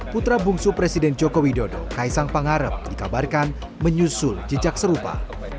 putra bungsu presiden joko widodo kaisang pangarep dikabarkan menyusul jejak serupa